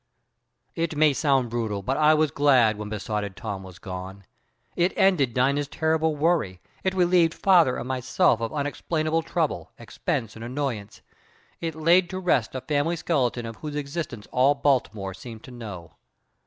"It may sound brutal, but I was glad when besotted Tom was gone. It ended Dina's terrible worry, it relieved father and myself of unexplainable trouble, expense and annoyance, it laid to rest a family skeleton of whose existence all Baltimore seemed to know.